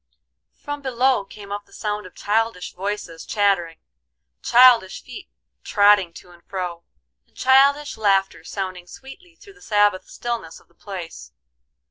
From below came up the sound of childish voices chattering, childish feet trotting to and fro, and childish laughter sounding sweetly through the Sabbath stillness of the place.